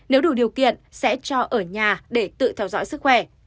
nếu đủ điều kiện sẽ cho ở nhà để tự theo dõi sức khỏe